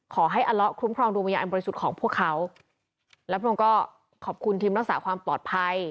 ขอให้อละคุ้มครองดวงบริญญาณบริสุทธิ์ของพวกเขาแล้วก็ขอบคุณทีมนักสารความปลอดภัย